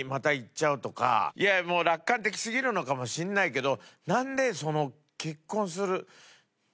いやもう楽観的すぎるのかもしれないけど。